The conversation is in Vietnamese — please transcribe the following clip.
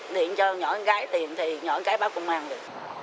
điện cho nhỏ con gái tiền thì nhỏ con gái báo công an rồi